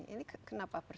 ini kenapa persis